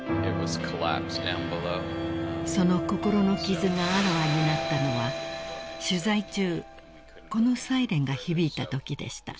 ［その心の傷があらわになったのは取材中このサイレンが響いたときでした］